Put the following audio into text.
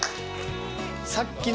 さっきの。